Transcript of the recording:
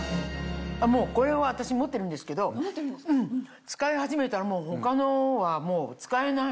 これは私持ってるんですけど使い始めたら他のはもう使えないもん。